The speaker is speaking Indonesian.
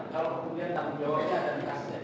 kalau kemudian takutnya orangnya ada di kasusnya